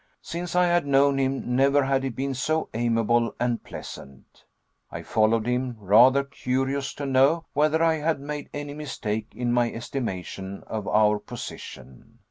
Since I had known him, never had he been so amiable and pleasant. I followed him, rather curious to know whether I had made any mistake in my estimation of our position.